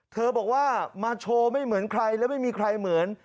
บอกว่ามาโชว์ไม่เหมือนใครแล้วไม่มีใครเหมือน